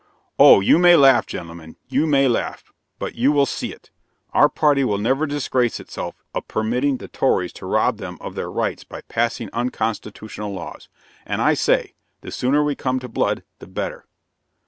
"Oh, you may laugh, gentlemen you may laugh; but you will see it. Our party will never disgrace itself a permitting the tories to rob them of their rights by passing unconstitutional laws; and I say, the sooner we come to blood, the better!"